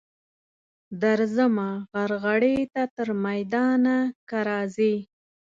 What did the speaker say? درځمه غرغړې ته تر میدانه که راځې.